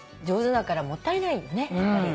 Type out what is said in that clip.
上手だからもったいないよね。